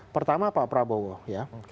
pertama pak prabowo ya